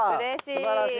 すばらしい。